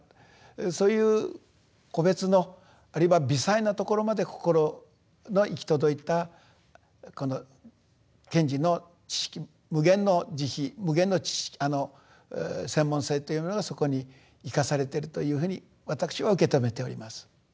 そういう個別のあるいは微細なところまで心の行き届いたこの賢治の知識無限の慈悲無限の専門性というものがそこに生かされてるというふうに私は受け止めております。